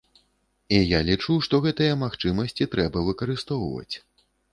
І я лічу, што гэтыя магчымасці трэба выкарыстоўваць.